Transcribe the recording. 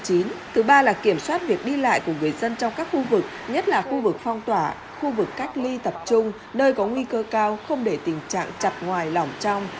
thứ ba là kiểm soát việc đi lại của người dân trong các khu vực nhất là khu vực phong tỏa khu vực cách ly tập trung nơi có nguy cơ cao không để tình trạng chặt ngoài lỏng trong